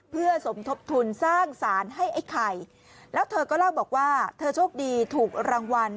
เพื่อสมทบทุนสร้างสารให้ไอ้ไข่แล้วเธอก็เล่าบอกว่าเธอโชคดีถูกรางวัล